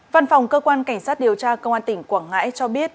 văn phòng cơ quan cảnh sát điều tra công an tỉnh quảng ngãi cho biết